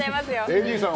ＡＤさん